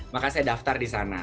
maka saya daftar di sana